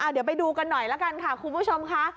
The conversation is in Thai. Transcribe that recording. เดี๋ยวไปดูกันหน่อยละกันค่ะคุณผู้ชมค่ะ